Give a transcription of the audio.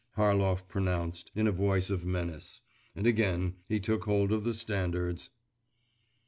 Harlov pronounced, in a voice of menace, and again he took hold of the standards.